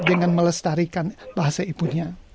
dengan melestarikan bahasa ibunya